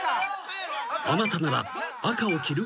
［あなたなら赤を切る？